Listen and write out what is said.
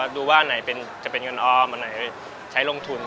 ดูว่าอันไหนจะเป็นเงินออมอันไหนใช้ลงทุน